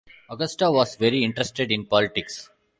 Augusta was very interested in politics.